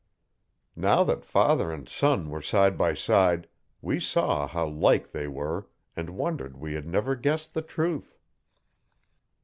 Now that father and son were side by side we saw how like they were and wondered we had never guessed the truth.